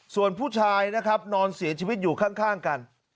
ส่วนผู้ชายนะครับนอนเสียชีวิตอยู่ข้างกัน